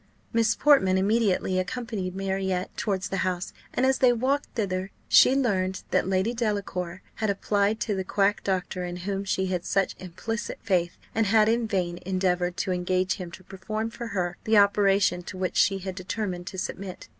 Miss Portman immediately accompanied Marriott towards the house; and as they walked thither, she learned that Lady Delacour had applied to the quack doctor in whom she had such implicit faith, and had in vain endeavoured to engage him to perform for her the operation to which she had determined to submit.